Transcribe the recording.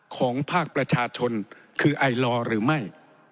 ของภาคประชาชนคือไอลอหรือไม่